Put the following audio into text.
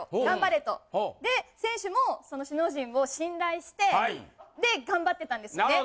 頑張れと。で選手も首脳陣を信頼して頑張ってたんですね。